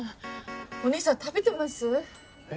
お兄さん食べてます？え？